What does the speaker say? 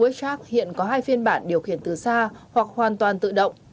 wh hiện có hai phiên bản điều khiển từ xa hoặc hoàn toàn tự động